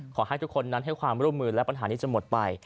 ขอให้ทุกคนนั้นให้ความร่วมมือและปัญหานี้จะหมดไป